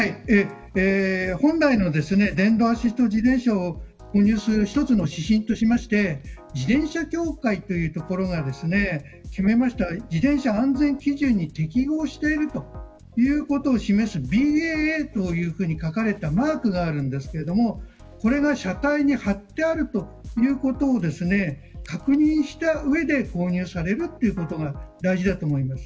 本来の電動アシスト自転車を購入する一つの指針として自転車協会という所が決めた自転車安全基準に適合しているということを示すＢＡＡというふうに書かれたマークがあるんですけどこれが車体に貼ってあるということを確認した上で購入されるということが大事だと思います。